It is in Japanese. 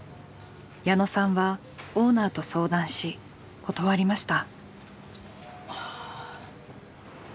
矢野さんはオーナーと相談し断りました。